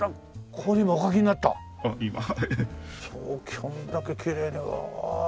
こんだけきれいにうわあ。